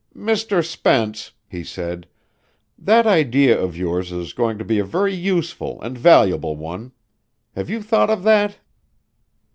"Mr. Spence," he said, "that idea of yours is going to be a very useful and valuable one. Have you thought of that?"